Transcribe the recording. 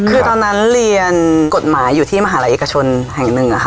คือตอนนั้นเรียนกฎหมายอยู่ที่มหาลัยเอกชนแห่งหนึ่งค่ะ